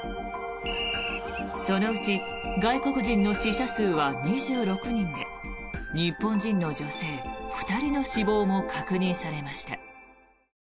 そのうち外国人の死者数は２６人で日本人の女性２人の死亡も確認されました。